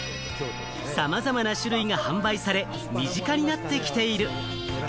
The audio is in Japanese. さまざまな種類が販売され、身近になってきている。